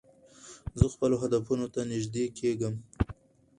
زه خپلو هدفونو ته نژدې کېږم.